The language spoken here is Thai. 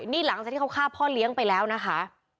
นี่หลังจากที่เขาฆ่าพ่อเลี้ยงไปแล้วนะคะ